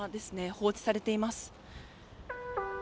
放置されています。